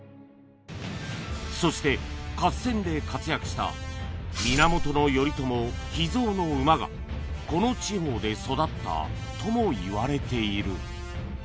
そして合戦で活躍した源頼朝秘蔵の馬がこの地方で育ったとも言われている